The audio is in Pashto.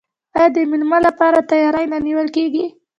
آیا د میلمه لپاره تیاری نه نیول کیږي؟